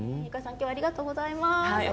今日はありがとうございます。